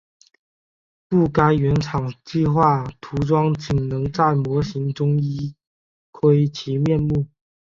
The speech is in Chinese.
故该原厂计画涂装仅能在模型中一窥其面目。